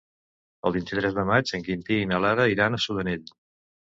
El vint-i-tres de maig en Quintí i na Lara iran a Sudanell.